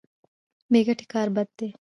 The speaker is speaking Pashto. بې ګټې کار بد دی.